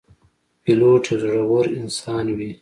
پیلوټ یو زړهور انسان وي.